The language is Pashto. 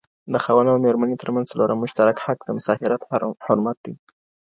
د خاوند او ميرمني تر منځ څلورم مشترک حق د مصاهرت حرمت دی